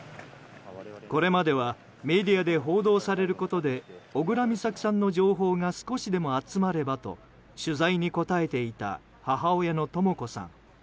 これまではメディアで報道されることで小倉美咲さんの情報が少しでも集まればと取材に応えていた母親のとも子さん。